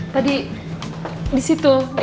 tadi di situ